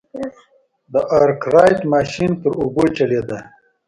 د ارکرایټ ماشین پر اوبو چلېده.